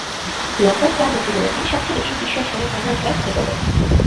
লঙ্কার চার মূর্তি গড়েছেন সবচেয়ে বেশি বিশ্ব আসরের ফাইনাল খেলার রেকর্ডও।